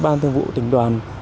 ban thường vụ tỉnh đoàn